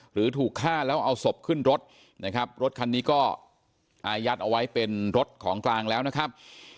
หรือถูกฆ่าแล้วเอาศพขึ้นรถนะครับรถคันนี้ก็อายัดเอาไว้เป็นรถของกลางแล้วนะครับ